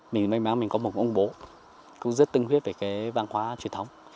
mình may mắn mình có một ông bố cũng rất tinh huyết về cái văn hóa truyền thống